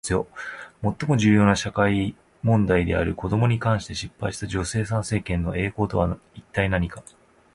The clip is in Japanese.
最も重要な社会問題である子どもに関して失敗した女性参政権の栄光とは一体何か？